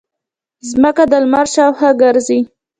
ځمکه د لمر شاوخوا ګرځي